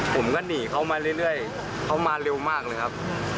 ผมก็หนีเขามาเรื่อยเขามาเร็วมากเลยครับ